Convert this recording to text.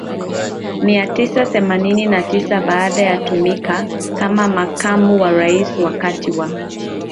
mia tisa themanini na tisa baada ya kutumika kama makamu wa rais wakati wa